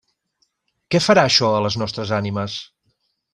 Què farà això a les nostres ànimes?